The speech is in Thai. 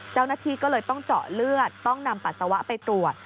เจ้าหน้าที่ก็เลยต้องเจาะเลือดต้องนำปัสสาวะไปตรวจ